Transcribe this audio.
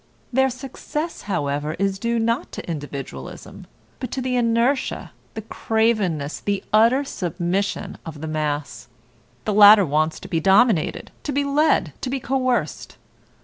Their success, however, is due not to individualism, but to the inertia, the cravenness, the utter submission of the mass. The latter wants but to be dominated, to be led, to be coerced.